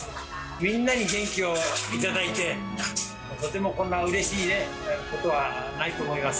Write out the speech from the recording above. みんなに元気を頂いて、とてもこんなうれしいことはないと思います。